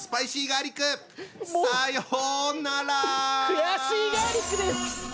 悔しいガーリックです！